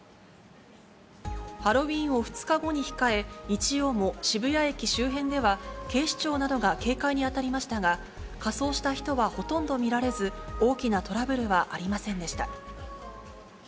ハロウィーンを２日後に控え、日曜も渋谷駅周辺では、警視庁などが警戒に当たりましたが、仮装した人はほとんど見られず、大きなトラブルはありませんでした。